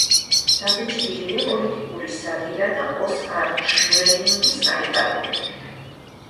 დაბეჭდილია პოლიტიკური სატირა და ოსკარ შმერლინგის კარიკატურები.